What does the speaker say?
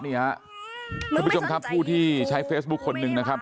นี่ฮะคุณผู้ชมครับผู้ที่ใช้เฟซบุคคนนึงนะครับ